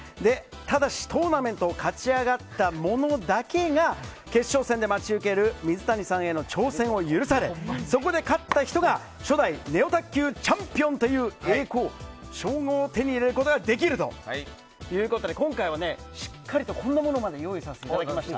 ただし、トーナメントを勝ち上がった者だけが決勝戦で待ち受ける水谷さんへの挑戦を許されそこで勝った人が初代ネオ卓球チャンピオンという栄光、称号を手に入れることができるということで今回はしっかりとこんなものまで用意させていただきました。